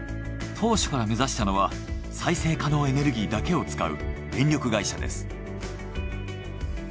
当初から目指したのは再生可能エネルギーだけを使う電力会社です。